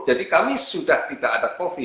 jadi kami sudah tidak ada covid